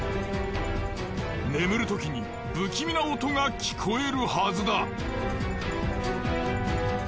眠るときに不気味な音が聞こえるはずだ。